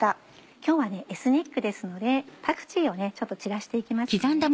今日はエスニックですのでパクチーを散らして行きますね。